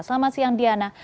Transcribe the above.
selamat siang diana